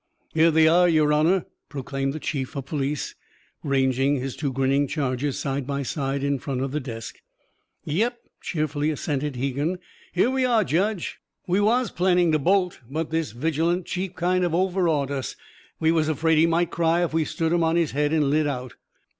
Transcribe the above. "Here they are, Your Honour!" proclaimed the chief of police, ranging his two grinning charges side by side in front of the desk. "Yep," cheerily assented Hegan. "Here we are, Judge. We was planning to bolt. But this vigilant chief kind of overawed us. We was afraid he might cry if we stood him on his head and lit out."